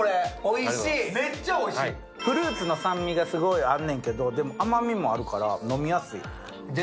フルーツの酸味があるんだけど、でも甘みもあるから飲みやすい。